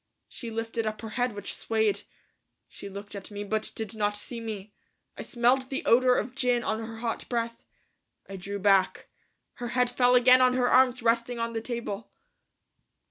She lifted up her head, which swayed. She looked at me but did not see me. I smelled the odor of gin on her hot breath. I drew back. Her head fell again on her arms resting on the table.